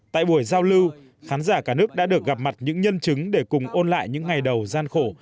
tại buổi giao lưu khán giả cả nước đã được gặp mặt những nhân chứng để cùng ôn lại những ngày đầu gian khổ